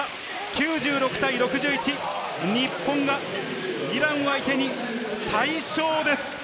９６対６１、日本がイラン相手に大勝です。